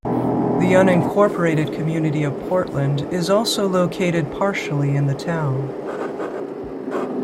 The unincorporated community of Portland is also located partially in the town.